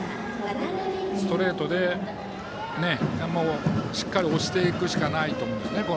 ストレートで、しっかりと押していくしかないと思います。